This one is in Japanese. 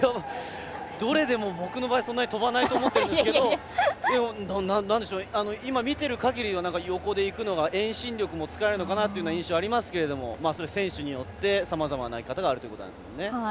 どれでも僕の場合そんなに飛ばないと思ってるんですけど今見ているかぎりでは横でいくのが遠心力も使えるのかなっていう印象がありますけど選手によってさまざまな投げ方があるということですね。